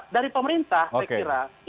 dari pemerintah saya kira